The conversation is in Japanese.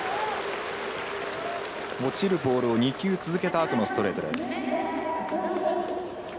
落ちるボールを２球続けたあとのストレートです。